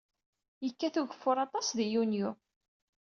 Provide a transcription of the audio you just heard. Yekkat ugeffur aṭas di yunyu.